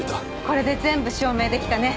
これで全部証明できたね。